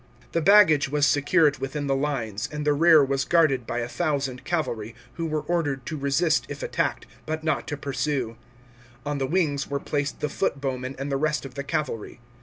* The baggage was secured within the lines and the rear was guarded by a thousand cavalry, who were ordered to resist if attacked, but not to pursue. On the winis were placed the foot bowmen and the rest of the cavalry.